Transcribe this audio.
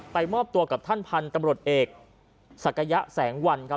มอบตัวกับท่านพันธุ์ตำรวจเอกศักยะแสงวันครับ